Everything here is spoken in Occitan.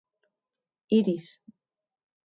Iris.